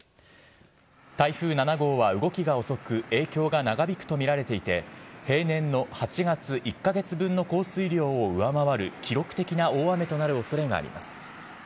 台風７号は動きが遅く、影響が長引くと見られていて、平年の８月１か月分の降水量を上回る記録的な大雨となるおそれがあります。